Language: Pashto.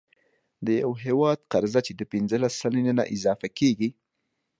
د یو هیواد قرضه چې د پنځلس سلنې نه اضافه کیږي،